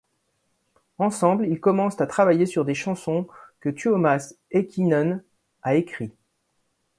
Ensemble, ils commencent à travailler sur des chansons que Tuomas Heikkinen a écrit.